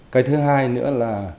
cái thứ hai nữa là